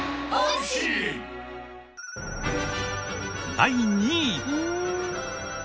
第２位。